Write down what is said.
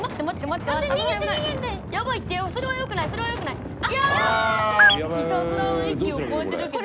いたずらの域を超えてるけど。